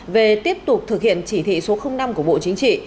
về tiếp tục thực hiện chỉ thị số năm của bộ chính trị